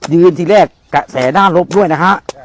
ทีแรกกระแสด้านลบด้วยนะฮะ